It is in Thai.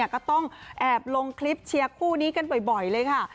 ก็ต้องแอบลงคลิปเชียร์คู่นี้กันบ่อยเลยค่ะ